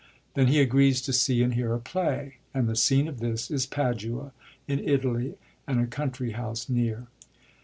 Then he agrees to see and hear a play ; and the scene of this is Padua in Italy, and a country house near.